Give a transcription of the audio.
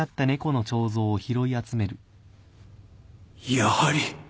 やはり。